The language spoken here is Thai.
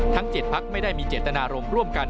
ทั้ง๗พักไม่ได้มีเจตนารมณ์ร่วมกัน